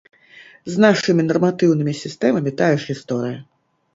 З нашымі нарматыўнымі сістэмамі тая ж гісторыя.